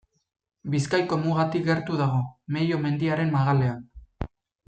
Bizkaiko mugatik gertu dago, Mello mendiaren magalean.